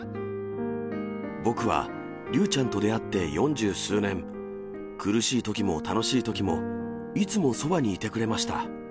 僕は竜ちゃんと出会って四十数年、苦しいときも楽しいときも、いつもそばにいてくれました。